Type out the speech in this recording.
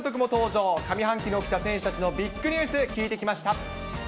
上半期に起きた選手たちのビッグニュース、聞いてきました。